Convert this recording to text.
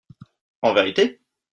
En vérité ?